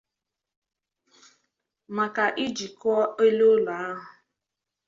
maka iji kụọ elu ụlọ ahụ.